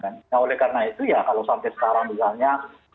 nah oleh karena itu ya kalau sampai sekarang misalnya